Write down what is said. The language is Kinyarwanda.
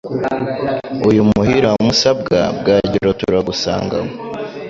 Uyu Muhire wa Musabwa, Bwagiro turagusanganywe